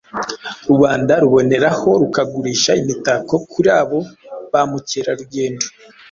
rubanda ruboneraho rukagurisha imitako kuri abo ba mukerarugendo.